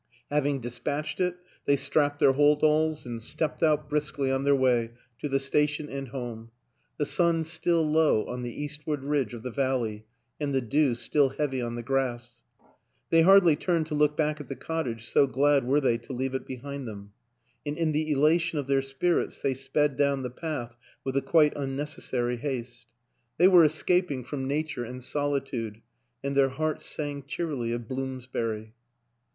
Having dispatched it, they strapped their hold alls and stepped out briskly on their way to the station and home the sun still low on the eastward ridge of the valley and the dew still heavy on the grass. They hardly turned to look back at the cottage, so glad were they to leave it behind them; and in the elation of their spirits they sped down the path with a quite unnecessary haste. They were escaping from nature and solitude, and their hearts sang cheerily of Bloomsbury.